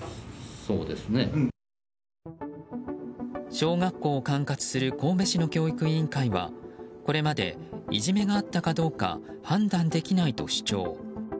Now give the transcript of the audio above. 小学校を管轄する神戸市の教育委員会はこれまでいじめがあったかどうか判断できないと主張。